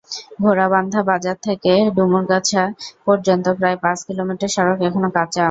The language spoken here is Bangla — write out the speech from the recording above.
ঘোড়াবান্ধা বাজার থেকে ডুমরগাছা পর্যন্ত প্রায় পাঁচ কিলোমিটার সড়ক এখনো কাঁচা।